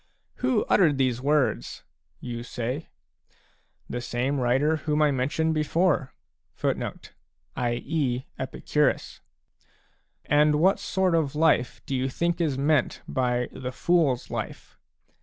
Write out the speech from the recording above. " Who uttered these words ?" you say. The same writer whom I mentioned before. a And what sort of life do you think is meant by the foors life